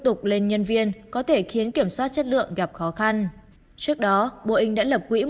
tục lên nhân viên có thể khiến kiểm soát chất lượng gặp khó khăn trước đó boeing đã lập quỹ